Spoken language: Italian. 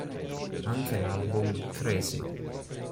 Anche l'album "Crazy!